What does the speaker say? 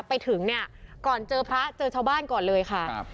ไปถึงเนี่ยก่อนเจอพระเจอชาวบ้านก่อนเลยค่ะครับ